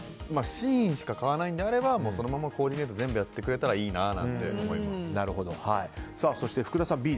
ＳＨＥＩＮしか買わないのであればそのままコーディネートを全部やってくれたらいいなってそして福田さんはＢ。